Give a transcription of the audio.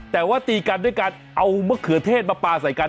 แต่ว่าตีกันด้วยการเอามะเขือเทศมาปลาใส่กัน